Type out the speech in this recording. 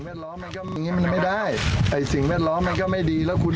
ล้อมมันก็อย่างงี้มันไม่ได้ไอ้สิ่งแวดล้อมมันก็ไม่ดีแล้วคุณ